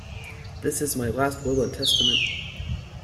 This is my last will and testament.